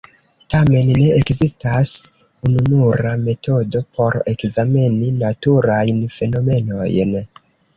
Tamen, ne ekzistas ununura metodo por ekzameni naturajn fenomenojn.